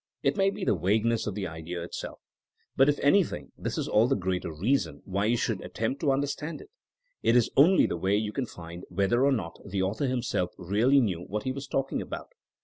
It may be the vagueness of the idea itself. But if anything this is all the greater reason why you should attempt to understand it. It is the only way you can find whether or not the author himself really knew what he was talking about.